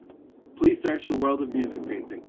Please search The World of Music painting.